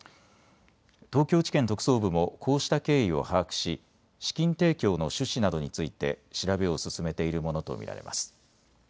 東京地検特捜部もこうした経緯を把握し資金提供の趣旨などについて調べを進めているものと見られます。